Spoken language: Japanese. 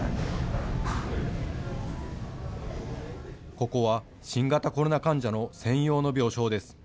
ここは新型コロナ患者の専用の病床です。